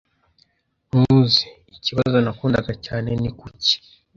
Nkuze, ikibazo nakundaga cyane ni "Kuki?"